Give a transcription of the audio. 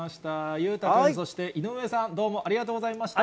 裕太君、そして井上さん、どうもありがとうございました。